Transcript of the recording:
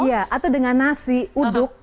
iya atau dengan nasi uduk